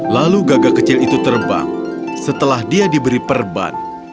lalu gagah kecil itu terbang setelah dia diberi perban